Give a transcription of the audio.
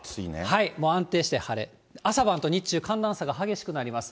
安定して晴れ、朝晩と日中、寒暖差が激しくなります。